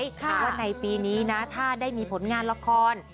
ว่าในปีนี้นะถ้าได้มีผลงานละคร